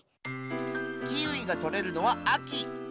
キウイがとれるのはあき。